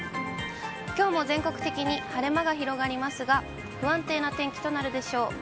きょうも全国的に晴れ間が広がりますが、不安定な天気となるでしょう。